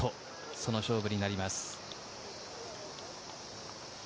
その勝負になります。